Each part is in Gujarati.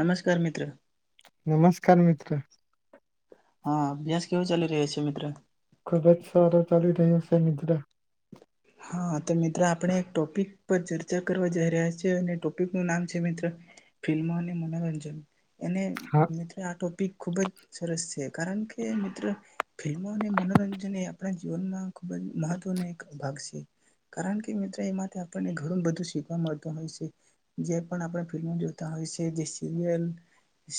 નમસ્કાર મિત્ર. નમસ્કાર મિત્ર. હા, અભ્યાસ કેવો ચાલી રહ્યો છે મિત્ર? ખૂબ જ સારો ચાલી રહીયો છે મિત્ર. હા, તો મિત્ર આપણે એક ટોપિક પર ચર્ચા કરવા જઈ રહ્યા છીએ. અને ટોપિક નું નામ છે, મિત્ર ફિલ્મો અને મનોરંજન. એને હા મિત્રો આ ટોપિક. ખૂબ જ સરસ છે, કારણ કે મિત્ર ફિલ્મો અને મનોરંજન એ આપણા જીવનમાં ખૂબ જ મહત્વનો એક ભાગ છે. કારણ કે મિત્ર એમાંથી આપણને ઘણું બધું શીખવા મળતું હોય છે. જે પણ આપણે ફિલ્મો જોતા હોય છે જે સિરિયલ,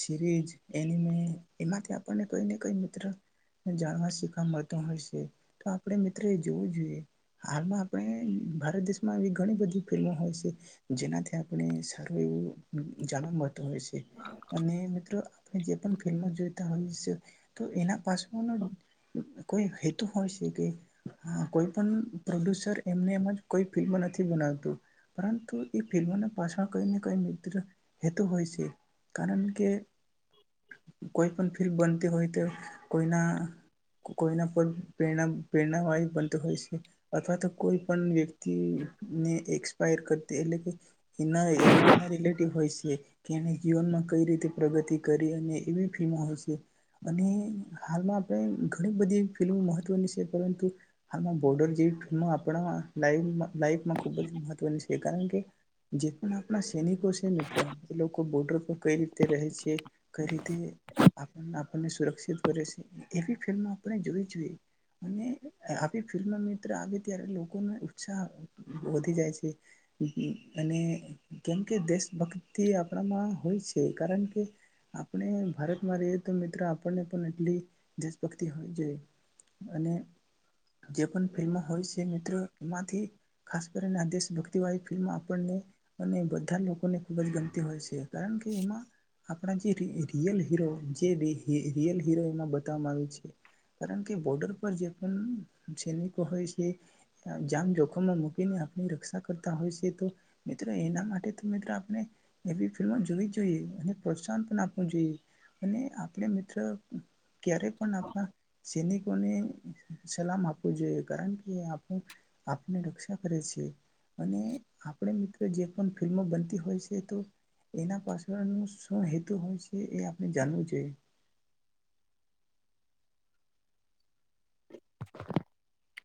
સિરીઝ, એનીમે એમાંથી આપણે કઈને કઈ મિત્ર જાણવા શીખવા મળત હોય છે, તો આપણે મિત્ર એ જોવું જોઈએ. હાલમાં આપણે ભારત દેશમાં એ ઘણી બધી ફિલ્મો હોય છે, જેનાથી આપણે સારું એવું જાણવા મળતું હોય છે અને મિત્ર આપણે જે પણ ફિલ્મો જોઈતા હોઈ છે. તો એના પાછળનો કોઈ હેતુ હોય છે કે કોઈ પણ પ્રોડ્યુસર એમને એમ જ કોઈ ફિલ્મ નથી બનાવતું. પરંતુ એ ફિલ્મોના પાછળ કઈ ને કઈ મિત્ર હેતું હોય છે, કારણ કે કોઈ પણ ફિલ્મ બનતી હોય તો કોઈના કોઈના પ્રેરણા પ્રેરણાવાળી બનતી હોય છે. અથવા તો કોઈ પણ વ્યક્તિને એક્સપાયર કરતી. એટલે કે એના એના રિલેટિવ હોય છે. કે એને જીવનમાં કઈ રીતે પ્રગતિ કરી અને એવી ફિલ્મો હોય છે અને હાલમાં આપણે ઘણી બધી ફિલ્મો મહત્વની છે, પરંતુ હાલમાં બોર્ડર જેવી આપણા લાઇ લાઈફમાં ખુબ જ મહત્વની છે. કારણ કે જે પણ આપણા સૈનિકો છે મિત્ર એ લોકો બોર્ડર પર કઈ રીતે રહે છે, કઈ રીતે આપણને સુરક્ષિત કરે છે અને આવી ફિલ્મ આપણે જોવી જોઈએ, અને આવી ફિલ્મ આવે ત્યારે લોકોને ઉત્સાહ વધી જાય છે અને કેમ કે દેશભક્તિ આપણામાં હોય છે, કારણ કે આપણે ભારતમાં રહીએ તો મિત્ર આપણને પણ એટલી દેશભક્તિ હોવી જોઈએ. અને જે પણ ફિલ્મો હોય છે મિત્ર એમાંથી ખાસ કરીને આ દેશ ભક્તિવાળી ફિલ્મો આપણને અને બધા લોકોને ખૂબ જ ગમતી હોય છે. કારણ કે એમાં. આપણા જે રિયલ હીરો જે રિયલ હીરો એમાં બતાવવામાં આવ છે. કારણ કે બોર્ડર પર જે પણ છે ને હોય છે. જામ જોખમમાં મૂકીને આપણી રક્ષા કરતા હોય છે, તો મિત્ર એના માટે તો મિત્ર આપણે એવી ફિલ્મો જોવી જોઈએ અને પ્રોત્સાહન પણ આપવું જોઈએ. અને આપણે મિત્ર ક્યારે પણ આપણા સૈનિક. કોને સલામ આપવુ જોઈએ? કારણ કે એ આપની આપની રક્ષા કરે છે, અને આપણે મિત્ર જે પણ ફિલ્મો બનતી હોય છે, તો એના પાછળ નુ શું હેતુ હોય છે, એ આપણે જાણવું જોઈએ.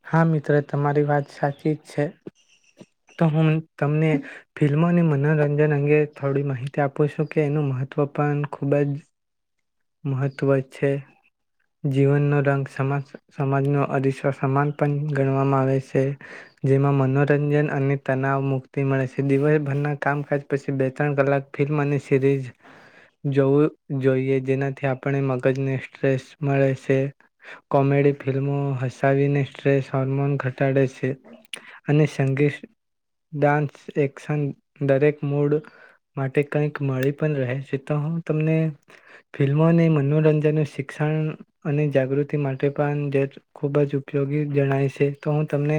હા, મિત્ર તમારી વાત સાચી જ છે. તો હું તમને ફિલ્મો ને મનોરંજન અંગે થોડી માહિતી આપું છું. કે એનું મહત્વ પણ ખૂબ જ મહત્વ છે. જીવનનો રંગ સમક્ષ સમાજનો અરીસો સમાન પણ ગણવામાં આવે છે, જેમાં મનોરંજન અને તનાવ મુક્તિ મળે છે, દિવસભરના કામકાજ પછી બે ત્રણ કલાક ફિલ્મ અને સિરીઝ જોવું જોઈએ. જેનાથી આપણે મગજને સ્ટ્રેસ મળે છે. કોમેડી ફિલ્મો હસાવીને સ્ટ્રેસ હોર્મોન ઘટાડે છે, અને સંગીત, ડાન્સ, એક્શન દરેક મૂડ માટે કંઈક મળી પણ રહે છે, તો હું તમને ફિલ્મોને મનોરંજનનું શિક્ષણ અને જાગૃતિ માટે પણ જજ ખૂબ જ ઉપયોગી જણાય છે. તો હું તમને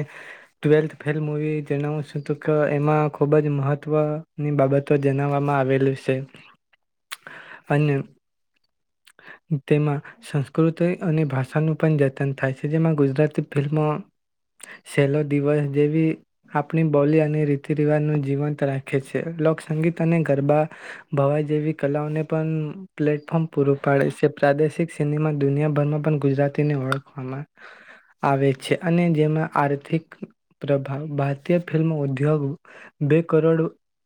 ટવેલ્થ ફેલ મુવી જણાવું છું, તો કે એમાં ખુબ જ મહત્વની બાબતો જણાવવામાં આવેલી છે. અને તેમાં સંસ્ક કૃતિ અને ભાષાનું પણ જતન થાય છે. જેમાં ગુજરાતી ફિલ્મો છેલ્લો દિવસ જેવી આપણી બોલી અને રીતિ રિવાજનું જીવંત રાખે છે. લોકસંગીત અને ગરબા, ભવાઈ જેવી કલાઓને પણ પ્લેટફોર્મ પૂરું પાડે છે. પ્રાદેશિક સિનેમા દુનિયાભરમાં પણ ગુજરાતીને ઓળખવામાં આવે છે. અને જેમાં આર્થિક પ્રભાવ ભારતીય ફિલ્મ ઉદ્યોગ બે કરોડ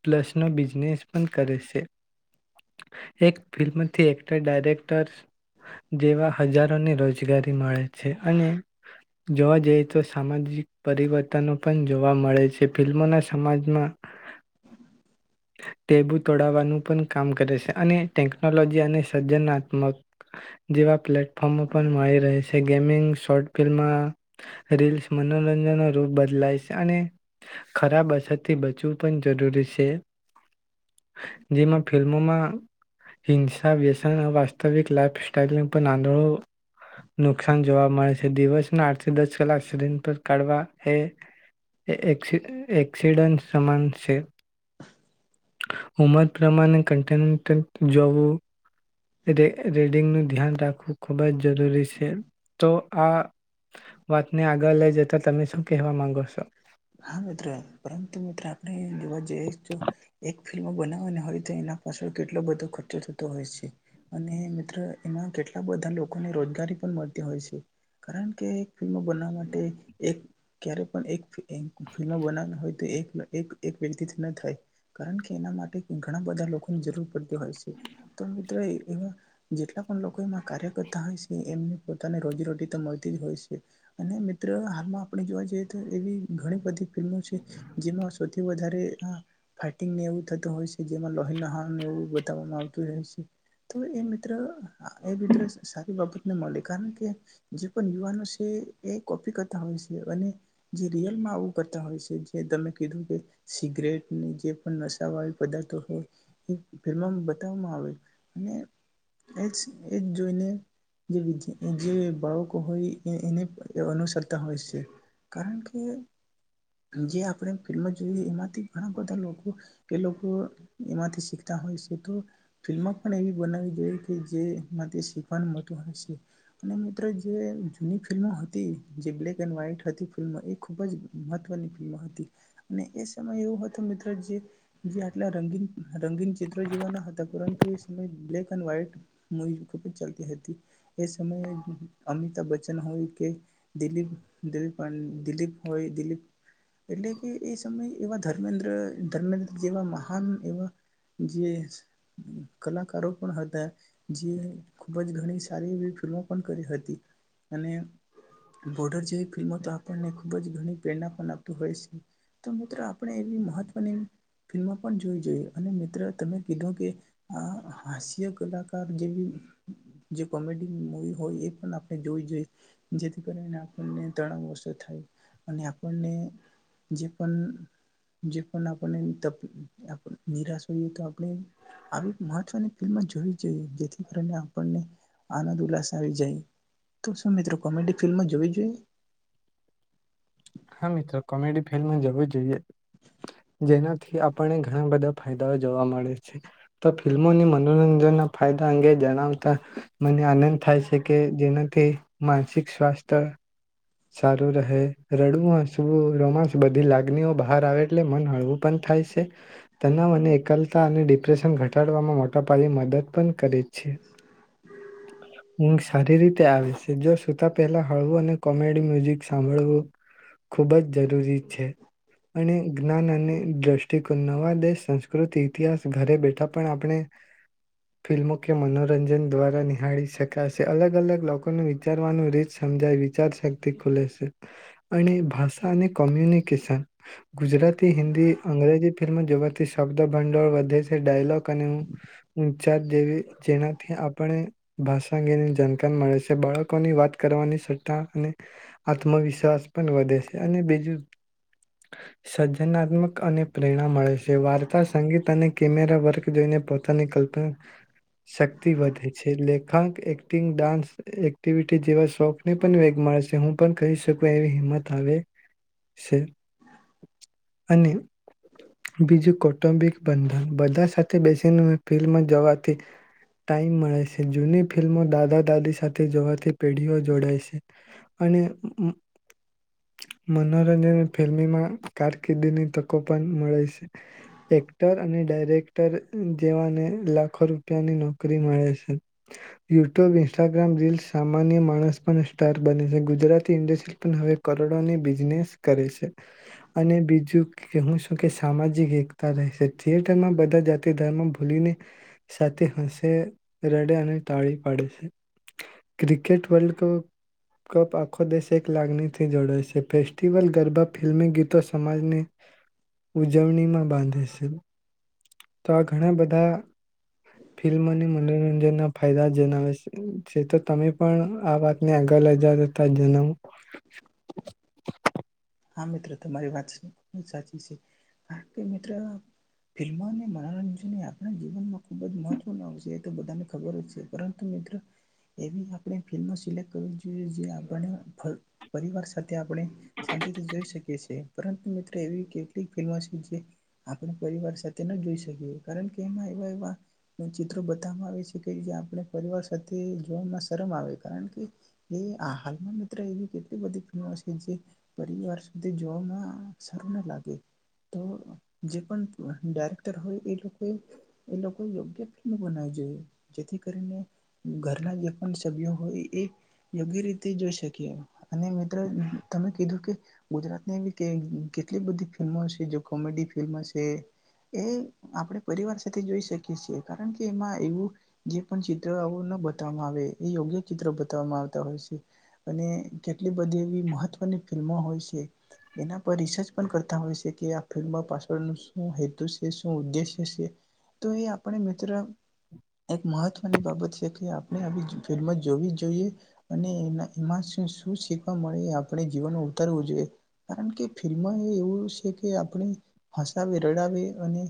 પ્લસ નો બિઝનેસ પણ કરે છે. એક ફિલ્મથી એક્ટર, ડાયરેક્ટર જેવા હજારોને રોજગારી મળે છે, અને જોવા જઈએ તો સામાજિક પરિવર્તનો પણ જોવા મળે છે. ફિલ્મોને સમાજમાં ટેબુ તોડાવવાનું પણ કામ કરે છે. અને ટેકનોલોજી અને સર્જનાત્મક જેવા પ્લેટ ફોર્મ ઉપર પણ મળી રહે છ છે. ગેમિંગ, શોર્ટ ફિલ્મ, રીલ્સ મનોરંજન નો રૂપ બદલાય છે. અને ખરાબ અસરથી બચવું પણ જરૂરી છે. જેમાં ફિલ્મોમાં હિંસા, વ્યસન, વાસ્તવિક લાભ [unintelligible] નુકસાન જોવા મળે છે. દિવસના આઠથી દસ કલાક સદંતર કાઢવા એ એક્સિ, એક્સિડન્ટ સમાન છે. ઉમર પ્રમાણે કન્ટેન્ટ અન્ટેન્ટ જોવુ રે રેડિંગનું ધ્યાન રાખવું ખૂબ જ જરૂરી છે. તો આ વાતને આગળ લઈ જતાં તમે શું કહેવા માંગો સો? હા મિત્ર પરંતુ મિત્ર આપણે જોવા જઈએસ તો એક ફિલ્મ બનાવવાને હોય તો એના પાછળ કેટલો બધો ખર્ચો થતો હોય છે, અને મિત્ર એમાં કેટલા બધા લોકોને રોજગારી પણ મળતી હોય છે. કારણ કે ફિલ્મો બનાવવા માટે એક ક્યારે પણ એક એક ફિલ્મ બનાવવાની હોય તો એક-એક-એક વ્યક્તિથી ન થાય, કારણ કે એના માટે ઘણા બધા લોકોની જરૂર પડ હોય છે. તો મિત્ર એક એવા જેટલા પણ લોકો એમાં કાર્ય કરતા હોય છે, એમને પોતાને રોજીરોટી તો મળતી જ હોય છે. અને મિત્ર હાલમાં આપણે જોવા જઈએ તો એવી ઘણી બધી ફિલ્મો છે જેમાં સૌથી વધારે ફાઈટિંગને એવું થતું હોય છે, જેમાં લોહીલુહાણ એવું બતાવવામાં આવતું હોય છે તો એ મિત્ર. એ મિત્ર સારી બાબત મળે કારણ કે જે પણ યુવાનો છે એ કોપી કરતા હોય છે અને જે રિયલમાં આવું કરતા હોય છે, જે તમે કીધું કે સિગરેટની જે પણ નશાવાળી પદાર્થો હોય એ ફિલ્મમાં બતાવવામાં આવે અને એજ એ જ જોઈને જે જે બાળકો હોય એ એને અનુસરતા હોય છે. કારણ કે કે જે આપણે ફિલ્મો જોઈ એમાંથી ઘણા બધા લોકો એ લોકો એમાંથી શીખતા હોય છે, તો ફિલ્મો પણ એવી બનાવી જોઈએ કે જેમાંથી શીખવાનું મોટું હોય છે અને મિત્રો જે જૂની ફિલ્મો હતી જે બ્લેક એન્ડ વ્હાઈટ હતી ફિલ્મો એ-' ખૂબ જ મહત્વની ફિલ્મ હતી અને એ સમય એવો હતો મિત્રો જે જે આટલા રંગીન રંગીન ચિત્ર જીવાના હતા, પરંતુ એ સમય બ્લેક એન્ડ વ્હાઈટ મવી ખૂબ જ ચાલતી હતી. એ સમયે અમિતાભ બચ્ચન હોય કે દિલીપ દિલીપ અ દિલીપ હોય દિલીપ. એટલે કે એ સમય. એવા ધર્મેન્દ્ર-ધર્મેન્દ્ર જેવા મહાન એવા જે કલાકારો પણ હતા જે ખૂબ જ ઘણી સારી એવી ફિલ્મો. કરી હતી અને બોર્ડર જેવી ફિલ્મો તો આપણને ખૂબ જ ઘણી પ્રેરણા પણ આપતું હોય છે, તો મિત્રો આપણે એવી મહત્ત્વની ફિલ્મો પણ જોવી જોઈએ અને મિત્ર તમે કીધું કે આ હાસ્ય કલાકાર જેવી જે કોમેડી મૂવી હોય એ પણ આપણે જોવી જોઈએ, જેથી કરીને આપણને ઘણા વર્ષો થાય અને આપણને જે પણ જે પણ આપને નિરાશ હોઈએ તો આપણે આવી મહત્વની ફિલ્મ જોવી જોઈએ, જેથી કરીણે આપણને આનંદ ઉલ્લાસ આવી જાય તો શું મિત્રો કોમેડી ફિલ્મ જોવી જોઈએ? હા મિત્રો કોમેડી ફિલ્મ જેવું જોઈએ. જેનાથી આપણને ઘણા બધા ફાયદાઓ જોવા મળે છે. તો ફિલ્મોને મનોરંજનના ફાયદા અંગે જણાવતા મને આનંદ થાય છે કે જેનાથી માનસિક સ્વાસ્થ્ય સારું રહે રડવું, હસવું, રોમાંસ બધી લાગણીઓ બહાર આવે એટલે મન હળવું પણ થાય છે તનાવને એકલતા અને ડિપ્રેશન ઘટાડવામાં મોટા પાયે મદદ પણ કરે છે. છે. ઊંઘ સારી રીતે આવે છે જો સુૂતા પહેલા હળવું અને કોમેડી મ્યુઝિક સાંભળવું ખૂબ જ જરૂરી છે અને જ્ઞાન અને દ્રષ્ટિકોણ નવા દેશ સંસ્કૃતિ ઇતિહાસ ઘરે બેઠા પણ આપણે ફિલ્મો કે મનોરંજન દ્વારા નિહાળી શકાશે. અલગ-અલગ લોકોને વિચારવાનું રીત સમજાય વિચાર શક્તિ ખુલે શે અને ભાષા અને કોમ્યુનિકેશન ગુજરાતી, હિન્દી, અંગ્રેજી ફિલ્મો જોવાથી શબ્દ ભંડોળ વધે છે ડાયલોગ અને ઉન્ચાર જેવી જેનાથી આપણે ભાષા અંગેની જણ પણ મળે શે. બાળકોની વાત કરવાની સ [unintelligible] અને આત્મવિશ્વાસ પણ વધે છે અને બીજું સર્જનાત્મક અને પ્રેરણા મળે છે. વાર્તા, સંગીત અને કેમેરા વર્ક જોઈને પોતાની કલ્પના શક્તિ વધે છે. લેખાંક, એક્ટિંગ, ડાન્સ એક્ટિવિટી જેવા શોખ ને પણ વેગ મળશે હું પણ કહી શકું એવી હિંમત આવે શે અને બીજું કૌટુંબિક બંધન બધા સાથે બેસીને ફિલ્મ જવાથી ટાઈમ મળે છે. જૂની ફિલ્મો દાદા દાદી સાથે જવાથી પેઢીઓ જોડાય છે અને મનોરંજન ફિલ્મીમાં કારકિર્દીની તકો પણ મળે છે. એક્ટર અને ડાયરેક્ટર જેવાને લાખો રૂપિયાની નોકરી મળે છે. યુટ્યુબ, ઇન્સ્ટાગ્રામ રીલ સામાન્ય માણસ પણ તાર બને છે. ગુજરાતી ઇન્ડસ્ટ્રી પણ હવે કરોડોની બિઝનેસ કરે છે અને બીજું કે હું શું કે સામાજિક એકતા રહેશે. થિયેટરમાં બધા જાતિ ધર્મ ભૂલીને એક સાથે હસે, રડે અને તાળી પાડે છે. ક્રિકેટ વર્લ્ડકપ કપ આખો દેશ એક લાગણીથી જોડાય છે. ફેસ્ટિવલ, ગરબા, ફિલ્મી ગીતો, સમાજની ઉજવણીમાં બાંધે શે તો આ ઘણા બધા ફિલ્મ અને મનોરંજનના ફાયદા જણાવે છે તો તમે પણ આ વાત ને આગળ વધારી [unintelligible] હા મિત્ર, તમારી વાત છે ઈ સાચી છે કારણ કે મિત્ર ફિલ્મો ને મનોરંજનને આપણા જીવનમાં ખુબ જ મહત્વનું આવશે એ તો બધાને ખબર જ છે. પરંતુ મિત્ર એવી આપણે ફિલ્મ સિલેક્ટ કરવી જોઈએ જે આપને ફ પરિવાર સાથે આપણે શાંતિથી જોઈ શકીએ છીએ પરંતુ મિત્ર એવી કેટલીક ફિલ્મો છે જે આપણે પરિવાર સાથે ન જોઈ શકીએ. કારણ કે એમાં એવા એવા ચિત્રો બતાવામાં આવે છે કે જે આપણે પરિવાર સાથે જોવામાં શરમ આવે. કારણ કે એ હાલમાં મિત્ર એવી કેટલી બધી ફિલ્મો છે જે પરિવાર સુધી જોવામાં સારું ના લાગે તો જે પણ ડાયરેક્ટર હોય એ લોક એ એ લોકો જેમ બનાવવી જોઈએ જેથી કરીને ઘરના જે પણ સભ્યો હોય એ યોગ્ય રીતે જોઈ શકીએ અને મિત્ર તમે કીધું કે ગુજરાતને એવી કે કેટલી બધી ફિલ્મો છે જે કોમેડી ફિલ્મો શે એ આપણે પરિવાર સાથે જોઈ શકીએ શી કારણ કે એમાં એવું જે પણ ચિત્ર આવું ન બતાવવામાં આવે એ યોગ્ય ચિત્ર બતાવવામાં આવતા હોય શે અને કેટલી બધી એવી મહત્વની ફિલ્મો હોય શે એના પર રિસર્ચ પણ કરતા હોય શે કે આ ફિલ્મ પાછળનું શું હેતુ શે શું ઉદ્દેશ્ય શે તો એ આપણે મિત્ર એક મહત્વની બાબત શે કે આપણે આવી ફિલ્મ જોવી જ જોઈએ અને એમાં એમાં શુ શીખવા મળે એ આપડે જીવન ઉતારવું જોઈએ. કારણ કે ફિલ્મ એ એવું શે કે આપણે હસાવે રડાવે અને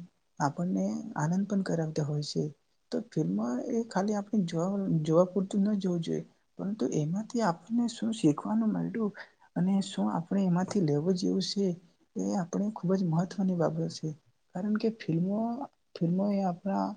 આપણને આનંદ પણ કરાવતા હોય શે તો ફિલ્મ એ ખાલી આપણે જો જોવા પૂરતું ન જોવું જોઈએ. પરંતુ એમાંથી આપણને શું શીખવાનું મયલું અને શું આપ આપણે એમાંથી લેવું જેવું શ એ-એ આપણે ખૂબ જ મહત્વની બાબત છે, કારણ કે ફિલ્મો-ફિલ્મો એ આપણા